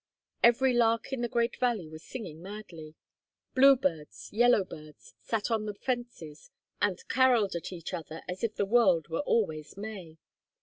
Every lark in the great valley was singing madly. Blue birds, yellow birds, sat on the fences and carolled at each other as if the world were always May.